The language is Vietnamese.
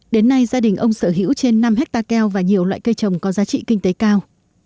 đến nay gia đình ông sở hữu trên năm hectare keo và nhiều loại cây trồng có giá trị kinh tế cao